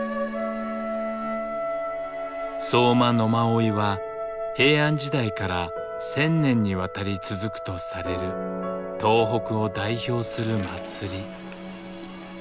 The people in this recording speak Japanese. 「相馬野馬追」は平安時代から１０００年にわたり続くとされる東北を代表する祭り。